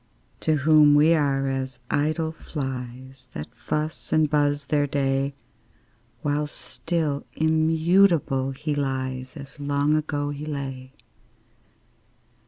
To whom we are as idle flies, That fuss and buzz their day; While still immutable he lies, As long ago he lay.